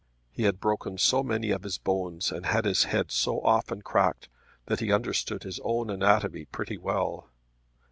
He had broken so many of his bones and had his head so often cracked that he understood his own anatomy pretty well.